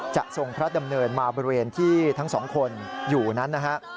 ทรงพระดำเนินมาบริเวณที่ทั้งสองคนอยู่นั้นนะฮะ